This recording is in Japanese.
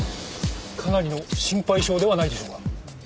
かなりの心配性ではないでしょうか？